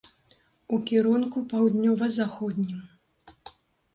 У кірунку паўднёва заходнім.